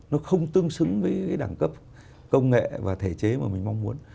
nó không tương xứng với đẳng cấp công nghệ và thể chế mà mình mong muốn